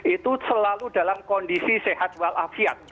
itu selalu dalam kondisi sehat walafiat